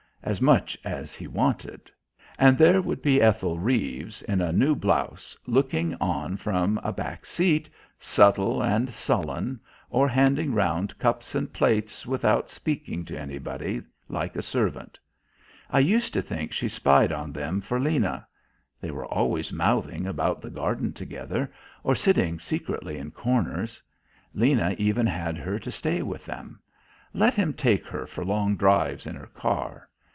As much as he wanted. And there would be Ethel Reeves, in a new blouse, looking on from a back seat, subtle and sullen, or handing round cups and plates without speaking to anybody, like a servant. I used to think she spied on them for Lena. They were always mouthing about the garden together or sitting secretly in corners; Lena even had her to stay with them, let him take her for long drives in her car.